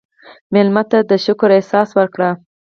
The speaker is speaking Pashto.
مېلمه ته د شکر احساس ورکړه.